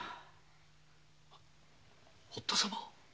堀田様。